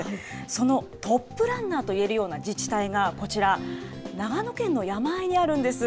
そのトップランナーといえるような自治体がこちら、長野県の山あいにあるんです。